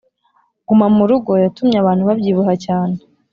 Guma murugo yatumye abantu babyibuha cyane